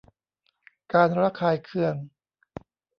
การระคายเคือง